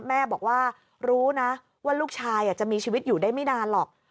แม่บอกว่ารู้นะว่าลูกชายจะมีชีวิตอยู่ได้ไม่นานหรอก